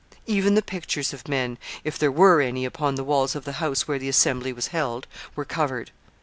Even the pictures of men, if there were any upon the walls of the house where the assembly was held, were covered.